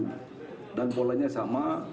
dan polanya sama dia rankingnya ranking lima besar di paju